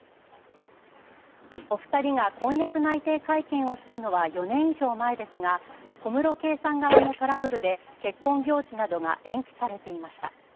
お二人が婚約内定会見をしたのは４年以上前ですが、小室圭さん側のトラブルで結婚行事などが延期されていました。